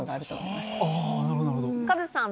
カズさん